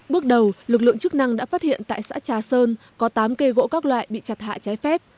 bước đầu lực lượng chức năng đã phát hiện tại xã trà sơn có tám cây gỗ các loại bị chặt hạ trái phép